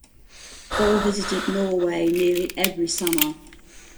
Ore visited Norway nearly every summer.